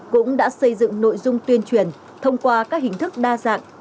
cũng đã xây dựng nội dung tuyên truyền thông qua các hình thức đa dạng